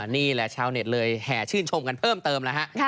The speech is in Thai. นี่แหละชาวเน็ตเลยแห่ชื่นชมกันเพิ่มเติมแล้วฮะ